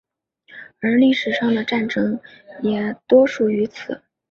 而历史上的战争也多属于此。